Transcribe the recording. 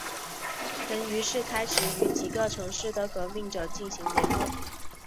陈于是开始与几个城市的革命者进行联络。